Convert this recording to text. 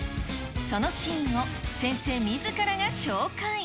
そのシーンを先生みずからが紹介。